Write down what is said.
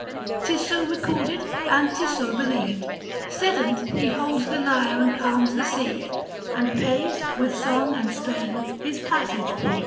105 'Tis so recorded and 'tis so believed — Sedent he holds the lyre and calms the sea, And pays, with song and strain, his passage fee.